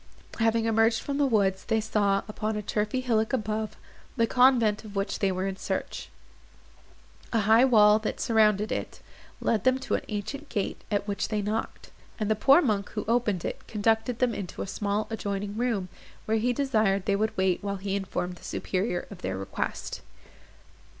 Having emerged from the woods, they saw, upon a turfy hillock above, the convent of which they were in search. A high wall, that surrounded it, led them to an ancient gate, at which they knocked; and the poor monk, who opened it, conducted them into a small adjoining room, where he desired they would wait while he informed the superior of their request.